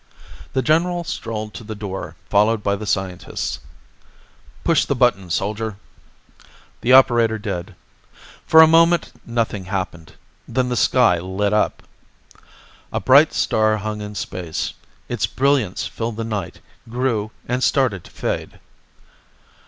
The general strolled to the door, followed by the scientists. "Push the button, Soldier!" The operator did. For a moment, nothing happened. Then the sky lit up! A bright star hung in space. Its brilliance filled the night, grew, and started to fade.